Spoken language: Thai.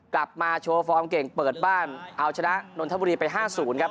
กลับมาโชว์ฟอร์มเก่งเปิดบ้านเอาชนะนนทบุรีไป๕๐ครับ